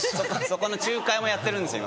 そこの仲介もやってるんです。